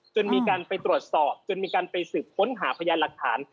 จนมีการไปตรวจสอบจนมีการไปสืบค้นหาพยานหลักฐาน